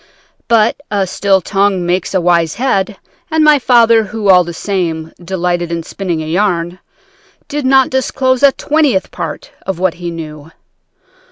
But a still tongue makes a wise head, and my father, who, all the same, delighted in spinning a yarn, did not disclose a twentieth part of what he knew.